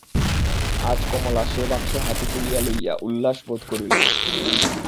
আজ কমলা সে বাক্স হাতে তুলিয়া লইয়া উল্লাসবোধ করিল না।